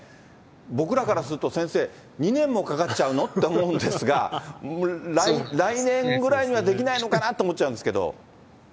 僕らからすると先生、２年もかかっちゃうのって思うんですが、来年ぐらいにはできないのかなと思っちゃうんですけど。